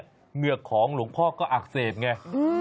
เหงือกของหลวงพ่อก็อักเสบไง